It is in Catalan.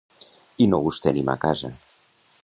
I no us tenim a casa.